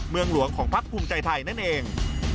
เมืองหลวงของพักภูมิใจไทยนั่นเอง